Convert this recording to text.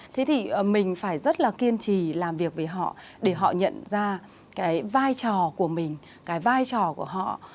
thế thì mình phải rất là kiên trì làm việc với họ để họ nhận ra cái vai trò của mình cái vai trò của họ